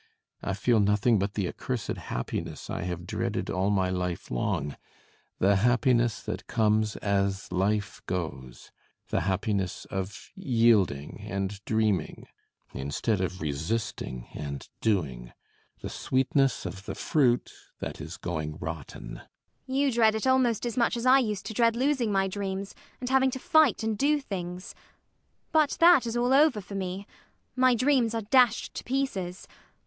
I feel nothing but the accursed happiness I have dreaded all my life long: the happiness that comes as life goes, the happiness of yielding and dreaming instead of resisting and doing, the sweetness of the fruit that is going rotten. ELLIE. You dread it almost as much as I used to dread losing my dreams and having to fight and do things. But that is all over for me: my dreams are dashed to pieces.